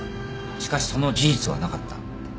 しかしその事実はなかった。